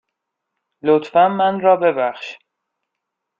لطفاً من را ببخش.